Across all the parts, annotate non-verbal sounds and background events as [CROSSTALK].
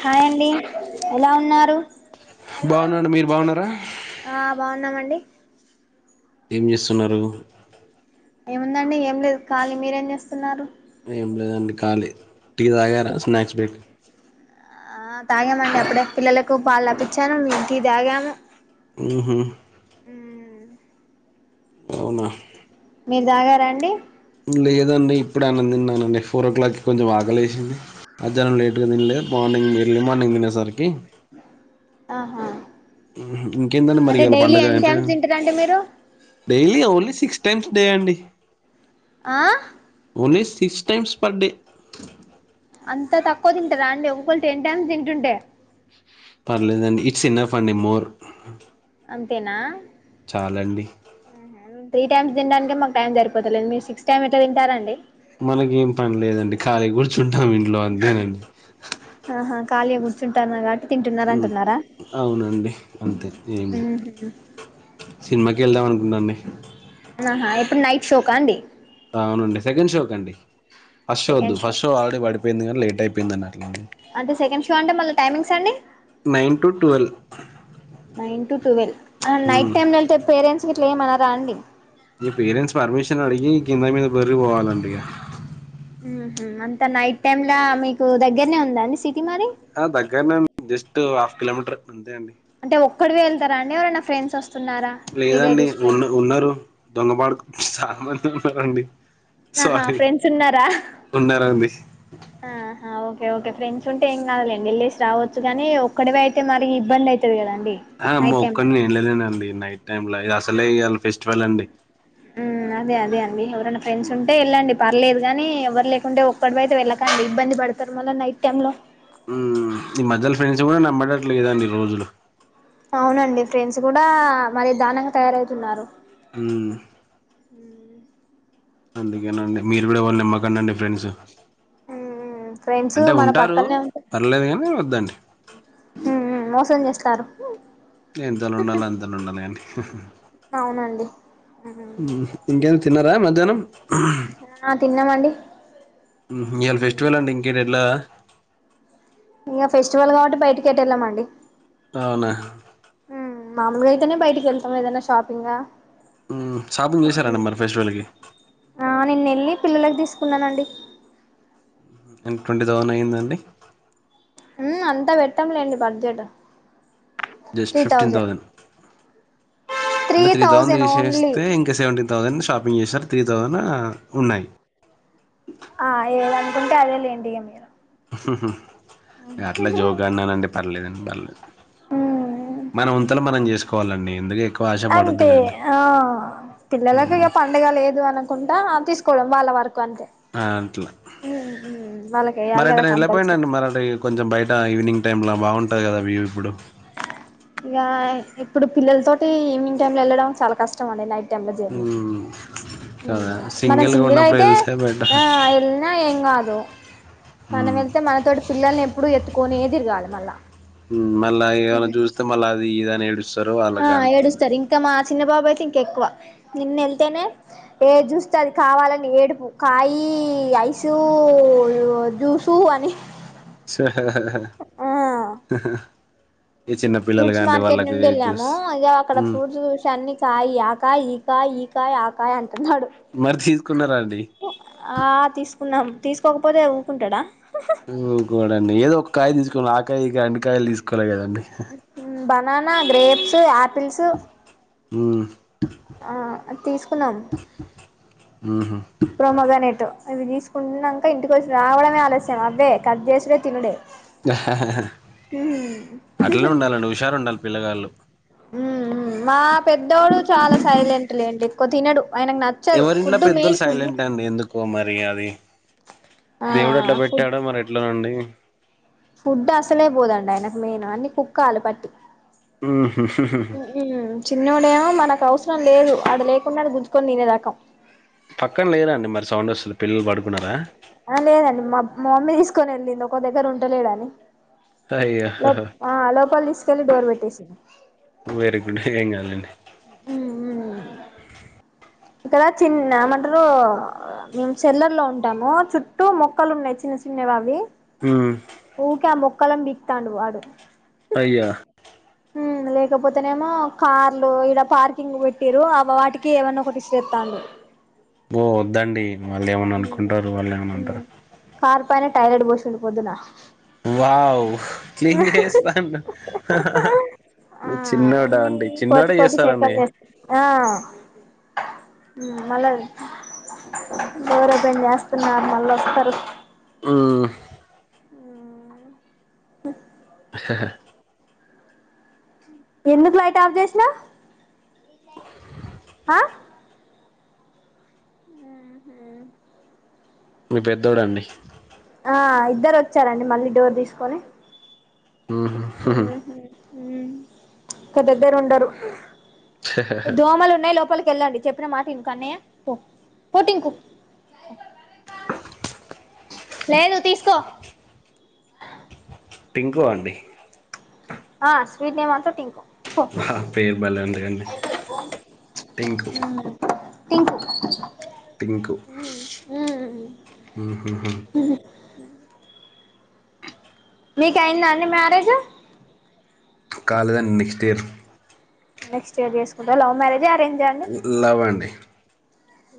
Hi అండి ఎలా ఉన్నారు బాగున్నాండి మీరు బాగున్నారా ఆ బాగున్నామండి ఏం చేస్తున్నారు ఏముందండి ఏం లేదు ఖాళీ మీరేం చేస్తున్నారు ఏం లేదండి ఖాళీ టిీ తాగారా స్నాక్స్ బ్రేక్ ఆ తాగామండి అప్పుడే పిల్లలకు పాలు తప్పించాను నెను టీ తాగాము ఉహూ అవునా మీరు తాగారా అండి లేదండి ఇప్పుడు ఆయన తిన్నానండి ఫోర్ ఓ క్లాక్కిి కొంచెం ఆకలేసింది అద్యనం లేట్ గా తినలేదు మార్నింగ్ ఎర్లీ మార్నింగ్ తినేసరికి ఆహా ఊహు, ఇంకేందండి మరి అంటే ఇవాళ డైలీ పండగ ఎంత అంటే ట్యామ్స్ తింటారండి మీరు daily only six times day అండి ఆ only six times per day అంతా తక్కువ తింటారుా అండి ఒక్కరు టెన్ టైమ్స్ తింటుంటే పర్లేదండి ఇట్స్ ఇన్నఫ్ అండి మోర్ అంతేనా చాలండి ంత టైమ్స్ తినడానికే మాకు టైం సరిపోతలేదు మీరు సిక్స్ టైమ్ ఎట్లా తింటారండి. మనకి ఏం పని లేదండి ఖాళీ గుర్జ్ తింటాం ఇంట్లో అంతేనండ ఆహా ఖాళీగా కూర్చుంటాన్న కాబట్టి తింటున్నారు ఉ అంటున్నారా అవునండి అంతే ఏం లేదు ఉహు సినిమాక కెళ్దాం అనుకుంట అండి ఆహా ఎప్పుడు నైట్ షోకా అండి అవునండి సెకండ్ షోకి అండి ఫస్ట్ షో వద్దు ఫస్ట్ షో ఆల్రడి పడియింది కానీ లేట్ అయిపో పిందనా అంటే సెకండ్ షో అంటే మళ్ళ టైమింగ్స్ సన్ని nine to twelve nine to twelve night హ్మ్. టైమ్ లో వెళ్తే పేరెంట్స్ ఇట్లా ఎమ్ అనరా అండి ఈ పేరెంట్స్ పర్మిషన్ అడిగి కింద మీద పోర్లి పోవాలండి. ఉ హు అంత నైట్ టైమ్లా మీకు దగ్గరనే ఉందండి సి ఆ దగ్గర్నె ఉంద్ జస్ట్ అఫ్ కిలోమీటర్ అంతే అండి అంటే ఒక్కడివే వెళ్తారాండి అవరన్న ఫ్రెండ్స్ వస్తా లేదండి ఉన్న ఉన్నారు దొంగ బడుకు సమన్ చూసారా అండి ఆహా ఫ్రెండ్స్ ఉన్నారా ఉన్నారండి ఆహా ఓకే ఓకే ఫ్రెండ్స్ ఉంటే ఏం కాదులెండి వెళ్ళేస్ రావచ్చు గానీ ఒక్కడివే అయితే మరి ఇబ్బంది అయితది కదా. ఆ మొక్క వెళ్ళాలెండి నైట్ టైమ్లా అస్ తలే ఇయ్యాల ఫెస్టివల్ అండి ఉ అదే అదే అండి ఎవరన్న ఫ్రెండ్స్ ఉంటే యేళ్ళండి పర్లేద్ కానీ ఎవ్వరు లేకుంటే ఒక్కడివే అయితే వెళ్ళకండి ఇబ్బంది పడతారు మళ్ళ నైట్ టైమ్ లో ఊ ఈ మధ్యలో ఫ్రెండ్స్ కూడా నమ్మటాట్ల లేరండి రోజులు అవునండి ఫ్రెండ్స్ కూడా మరి దార్ణంగా తయారవుతున్నారు. ఊ అందుకేనండి మీరు కూడా వాళ్ళ నిమ్మకండి అండి ఫ్రెండ్సు ఉమ్ ఫ్రెండ్స్ అంటే మన ఉంటారు పక్కనే ఉంటే పర్లేదు గానీ వద్దండి. సారు ఉవ్ ఎంతలో ఉండాలో అంతలో ఉండ్లే అండి హహా అవునండి ఉహు ఇంకేం తిన్నారా మంచ్ ధనం ఆ తిన్నామండి ఇవాళ ఫెస్టివల్ అండి ఇంకే ఎట్లా? ఇంకా ఫెస్టివల్ కాబట్టి బయటికెటు వెళ్ళ మండి. అవునా? మామూలుగా అయితేనే బయటికి వెళ్తాం ఏదనా షాపింగా. మ్మ్ షాపింగ్ చేశారండి మరి ఫెస్టివల్కి ఆ నిన్న వెళ్ళి పిల్లలకి తీసుకొ తీసుకున్నానండి. ఎంత? ట్వంటీ థౌజన్ అయ్యిందండి. మ్! అంతా పెట్టంలేండి బడ్జెట్. జస్ట్ ఫిఫ్టీన్ థౌజండ్ అంటే త్రీ థౌసండ్ థౌజండ్ ఓన్లీ తీసేస్తే ఇంకా సెవెంటీన్. థౌజండ్ షాపింగ్ చేసారు. త్రీ థౌజండ్ ఉన్నాయి. ఆ ఏలని? అంటే అదే లేండి ఏం లేవు. హ్మ్! హూ! అట్లా జోగా అన్నానండి పర్లేదండి పర్లేదు ఉమ్ మన ఉంతలో మనం చేసుకుం. కావాలండి. అంతే! ఆ పిల్లలకు ఇక పండగ లేదు అనకు. చెప్పకుండా తీసుకోవడం వాళ్ళ వరకు. అంతే ఆ అట్లా! వాళ్ళకి వేయాలి మరి కదా ఎటైన కంపల్సరీ ఎళ్లకపోయనుండు బయట కొంచెం ఈవినింగ్. టైమ్ంలో బాగుంటుంది కదా వ్యూ ఇప్పుడు. ఇక, ఇప్పుడు పిల్లల తోటి ఈవినింగ్ టైమ్ లో వెళ్ళడం చాలా కష్టం అండి నైట్. మ్మ్. కదా మనం సింగిల్గా సింగర్ ఉన్నప్పుడు అయితే వెళ్తే బెటర్ ఆ వెళ్ళినా ఏం కాదు. మనం మ్మ్. వెళ్తే మనతోటి పిల్లల్ని ఎప్పుడు ఎత్తుకోనే తిరగాలి. మళ్ళా మళ్ళా ఇగ చూస్తే మళ్ళీ అది ఇదని ఏడుస్తారు వాళ్ళకాన. చిన్నబాబు అయితే ఇంక ఎక్కువ. నిన్న వెళ్తేనే ఏది చూస్తే అది కావాలని ఏడుపు కాయి, ఐస్, జ్యూసు అని. ఆ [UNINTELLIGIBLE] పిల్లలు ఫ్రూట్స్ కాండి మార్కెట్ వాళ్ళకి నుండి ఏది వెళ్ళాము, చూస్ అ అక్కడ మ్మ్. ఫ్రూట్స్ చూసి అన్ని కాయి, ఆకాయి, ఈకాయి. కాయ, ఆకాయ అన్ [UNINTELLIGIBLE] మరి తీసుకున్నారా అండి ఆ తీసుకున్నాం తీసుకోకపోతే వ్ ఉకుంటాడా! ఓ గాడ్. [UNINTELLIGIBLE] ఏదో ఒక కాయ తీసుకోవాలి ఆ కాయి ఈకాయి అన్ని కాయలు తీసుకోవాలి కదా. Banana, grapes. చే అ [UNINTELLIGIBLE] పిలుసు. మ్! ఆ తీసుకున్నాం. మ్మ్. ప్రోమగనెటు, అవి తీసుకున్నాక ఇంటికి వచ్చి రావడమే ఆలస్యం అవే కట్ చేసుడే తినుడే అట్లనే ఉండాలండి హుషారు ఉండాలి పిలగాళ్ళు ఉ మా పెద్దోడు చాలా సైలెంట్ లేండి ఎక్కువ తినడు ఆయనకు నచ్చదు ఎవరింట్లో ఫుడ్ పెద్దలు మెయిన్ ఫుడ్ సైలెంట్ అండి ఎందుకో మరి అది ఆ దేవుడు అ ట్లా ఫుడ్ పెట్టాడ మరి ఎట్లానండి అ ఫుడ్ అసలే పోదండి ఆయనకు మెయిన్ అన్ని కుక్కాల పట్టి చిన్నో డేమో మనకు అవసరం లేదు అది లేకున్నా గుర్ తినేదాక పక్కన లేదండి మరి సౌండ్ అసలు పిల్లలు పడుకున్నారా ఆ లేదండి మా మా మమ్మీ తీసుకొని వెళ్ళింది ఒక దగ్గర ఉండలేడని అయ్యో లో ఆ లోపలి తీసుకెళ్ళి డోర్ పెట్టేసింది వెరీ గుడ్ ఏం కాదులేండి ఉ ఉ కదా చిన్న ఏమంటారు మేము చెల్లర్లో ఉంటాము చుట్టూ మొక్కలు ఉన్నాయి చిన్న చిన్నవి అవి హ్మ్మ్ ఊక మొక్కలం బికుతాండు వాడు అయ్యా లేకపోతేనేమో కార్లు ఇడ పార్కింగ్ పెట్టిరు అ వాటికి ఏమన్నా ఒకటి చెప్పండి ఓ ఒద్దండి వాళ్ళు ఏమన్నా అనుకుంటారు వాళ్ళు ఏమన్నా హ్మ్ అంటారు కార్ పైన టాయిలెట్ పోసింది పొద్దున వావ్ క్లీన్ చేస్తా ఆ చిన్నోడ అన్ని అండి కోతి చిన్నోడే కోతి శేఖలు చేస్తారండి చేస్త ఆ మళ్ళా వేరే పని చేస్తున్నారు మళ్ళా వస్తారు హ్మ్మ్ హూ హ ఎందుకు లైట్ ఆఫ్ చేసినా ఆ మీ పెద్దోడు అండి ఆ ఇద్దరు వచ్చారండి మళ్ళీ డోర్ తీసుకొని ఆాఉహూ ఒక దగ్గర ఉండరు దోమలు ఉన్నాయి లోపలికి వెళ్ళండి చెప్పిన మాట ఇం క అన్నయ్య పో పోటి ఇం కు లేదు తీసుకో పింకో అండి ఆ స్వీట్ నేమ్ అంత టింకు పో ఆ పేరు బలే ఉంది అండి టీంకు టీంకు పింక్ మ్ హు హు మీ కాఇందా అండి మ్యారేజ్ కాలే దండి నెక్స్ట్ ఇయర్ నెక్స్ట్ ఇయర్ చేసుకుంటావ లవ్ మ్యారేజ్ హ అరేం్ లవ్ అండి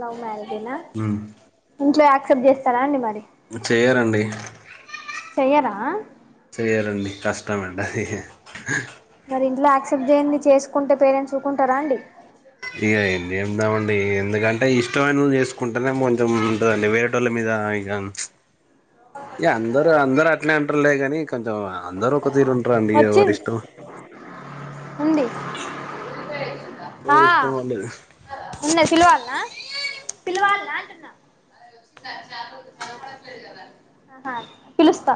లవ్ మ్యరే జేనా మ్ ఇంట్లో యాక్ క్సెప్ట్ చేస్తార అండి మరి చె్యారండి చేయ్యరా కష్టమండి అది మరి ఇంట్లో యాక్సెప్ట్ చెయ్యంది చేసుకుంటే పేరెంట్స్ ఊకుంటారా అండి ఇగ ఎం చేద్దామండి ఎం ఎందుకంటే ఇష్టమైనోళ్లను చేసుకుంటేనే కొంచెం ఉంటదండి వేరేటోళ్ళ మీద ఇగ ఇగ అందరు అందర్ ట అట్లానే అంటర్లే కాని కొంచెం అందరూ ఒక తీరు ఉంటరండి వచ్చింది ఎవరిష్టం ఉంది ఆ ఎవరిష్టం వాళ్ళది ఉన్నా సిిల్వల్నా పిలవాలింట పిలుస్తా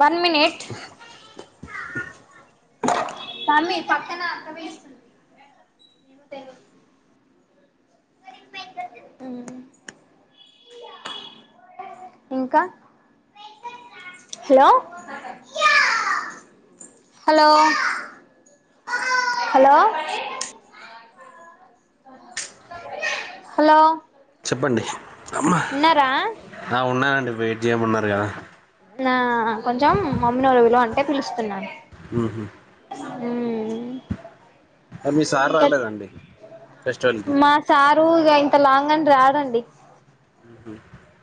వన్ మీనిట్ తమ్మి పక్కన అక్క వేస్తుంది ఏ తెలు హు ఇంకా హలో హలో హలో హలో ప్పండి ఉన్నారా ఆ ఉన్నానండి బయ్ జెమన్నారు కదా ఆ కొంచెం మమ్మి నెవరో పిలువమంటే పిలుస్తున్నాను మ్ హు హు మీ సార్ రాలేద అండి ఫెస్టివల్కి రు ఇగ ఇంత లాంగ్ అని రారండి మ్ హు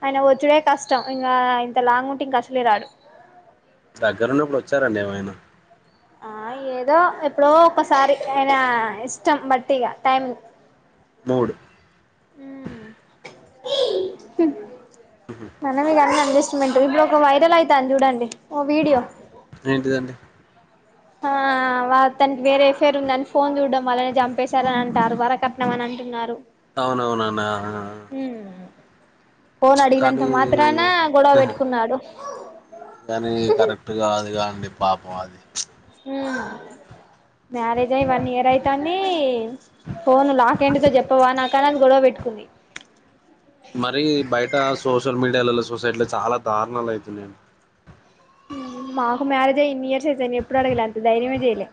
ఆయన వచ్చుడే కష్టం ఇంగ ఇంత లాంగ్ ఉంటే ఇంగ అసలే రాడు దగ్గరున్నప్పుడు వచ్చార అండి ఏమైనా ఆ ఏదో ఎప్పుడో ఒకసారి అయినా ఇష్టం బట్టి ఇగ టైమ్ మూడ్ అ మనమగాన్ని అంది ఇష్ట ఇప్పుడు ఒక వైరల్ అవుతాను చూడండిఓ వీడియో ఏంటిదండి ఆ వా తనికి వేరే ఎఫేర్ ఉందని ఫోన్ చూడడం అళ్ళనే చంపేశారని అంటారు వరకట్నం అని అంటున్నారు అవునవునానాహా ఫోన్ అడిగినంత మాత్రాన గొడవ పెట్టుకున్నాడు అ మీ పాపం అది మ్యారేజ్ అయి వన్ ఇయర్ అయితని ఫోన్ లాక్ెండ్తో చెప్పవా నాకని అని గొడవ పెట్టుకుంది మరి బయట సోషల్ మీడియా మిలలో సొసైటీలో చాలా దారుారణాలు అవుతు నేను మాకు మ్యారేజ్ అయ్యి ఇన్ ఇయర్స్ అయితేాని ఎప్పుడు అడగలే అంత ధైర్యమే చెయ్యలే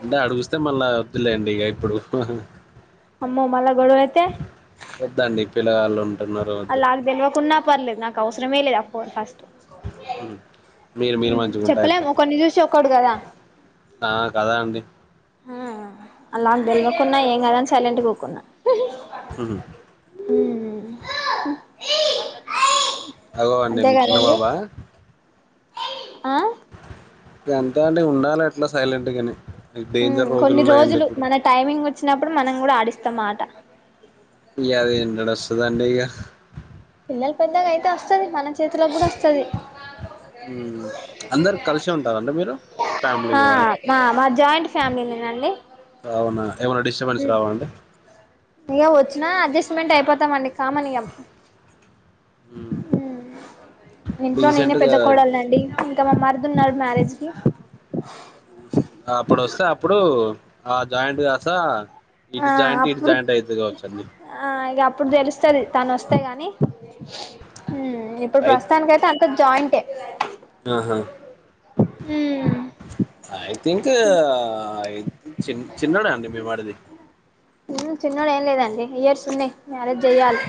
అంటే అడుగుస్తే మళ్ళా వద్దులేండి ఇక ఇప్పుడు అమ్మో మల గడు అయితే పిల్లవాళ్ళు ఉంటున్నారు అద్ పర్లేదు నాకు అవసరమే లేదు ఆ ఫోన్ ఫస్ట్ మీరు మీరు మంచిగు ఉంట చెప్పలేం అయిపో ఒకరిని చూసి ఒకడు కదా కదా అండి ఆ అలాని బెలువకున్నా ఏం కాద అని సైలెంట్ పోకున్నా అ హ అగవండి మీ చిన్న బాబా ఆ ఎంత అండి ఉండాల ఎట్లా సైలెంట్ గాని కొన్ని రోజులు మన టైమింగ్ వచ్చినప్పుడు మనం కూడా ఆడిస్తాం మాట ఇ అద ఎంటడ వస్తుత అంటకా పిల్లల పందక అయితే వస్తుది మన చేతిలో కూడా వస్తుది అందరు కలిసి ఉంటారుంటే మీరు ఫ్యామిలీ ఆ వాళ్ళు మా మా జాయింట్ కావున ఇకా వచ్చిన అద ఎక్స్మెంట్ అయిపోతామండి కామని మ్ ఇంట్లో నేనే పెద్ద డీసెంట్గా కోడలుండి ఇంకా మా మరదు ఉన్నారు మ్యారేజ్ ఇ అప్పుడు వస్తే అప్పుడు ఆ జాయింట్గాస ఆ అప్పుడు ఆ ఇక అప్పుడు తెలుస్తుది తను వస్త వస్తే నీ ఇప్పుడు అయి ప్రస్తుతానికి అయితే అంత జాయింట్టే ఆహా ఐ థింక్ చి చిన్నోడా అండి మీ మరిది చిన్నడు ఏం లేదండి ఇయర్స్ ఉన్నాయి మ్యారేజ్ చెయ్యాలి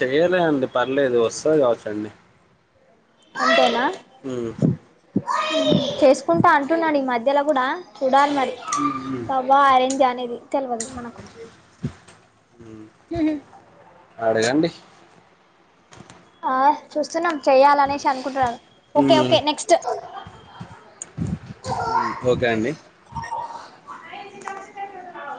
చెయ్యలే అండి పర్లేదు వస్తది కావచ్చు అండి అంతేనా చేసుకుంటా ఆ టున్నాడు ఈ మధ్యల గుడా చూడాలి మ్ మరి మ్ లవ్వా అరేంజ్ అనేది తెలవదు మనకు అడగండి ఆ చూస్తున్నాం చేయాలనేసి అనుకుంటున్నారు okay hmm okay next okay అండి న [UNINTELLIGIBLE]